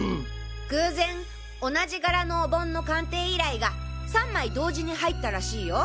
偶然同じ柄のお盆の鑑定依頼が３枚同時に入ったらしいよ。